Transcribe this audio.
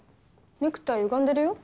ネクタイゆがんでるようん？